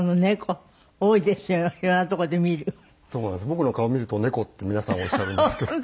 僕の顔を見ると「猫」って皆さんおっしゃるんですけど。